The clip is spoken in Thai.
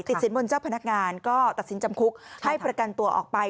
สินบนเจ้าพนักงานก็ตัดสินจำคุกให้ประกันตัวออกไป